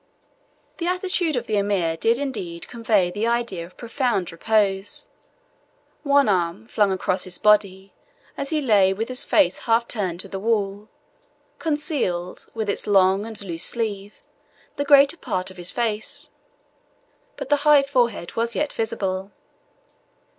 The attitude of the Emir did indeed convey the idea of profound repose. One arm, flung across his body, as he lay with his face half turned to the wall, concealed, with its loose and long sleeve, the greater part of his face; but the high forehead was yet visible.